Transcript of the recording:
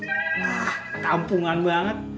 nah kampungan banget